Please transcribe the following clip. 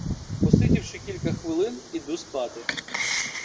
Посидівши кілька хвилин, іду спати.